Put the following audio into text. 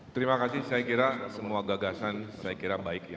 terima kasih saya kira semua gagasan baik